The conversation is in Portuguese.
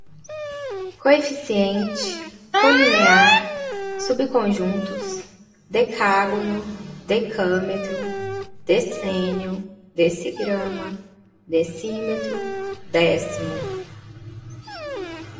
coeficiente, colinear, subconjuntos, decágono, decâmetro, decênio, decigrama, decímetro, décimo